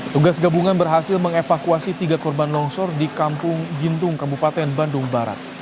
tugas gabungan berhasil mengevakuasi tiga korban longsor di kampung gintung kabupaten bandung barat